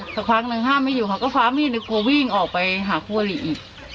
สักพักหนึ่งห้ามไม่อยู่ค่ะก็ฟ้ามีนกลัววิ่งออกไปหาควรีอีก